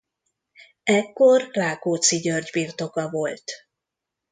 Ekkor Rákóczi György birtoka volt.